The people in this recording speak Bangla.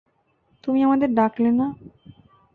তুমি আমাদের ডাকলে না।